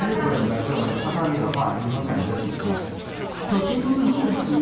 とてもいいですね。